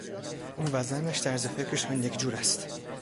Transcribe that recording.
او و زنش طرز فکرشان یکجور است.